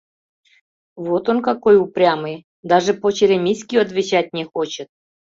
— Вот он какой упрямый, даже по-черемисски отвечать не хочет!